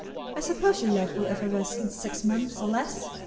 I suppose your love will effervesce in six months, or less.